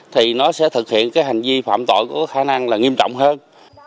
thì nó sẽ thực hiện cái hành vi phạm tội có khả năng là nghiêm trọng hơn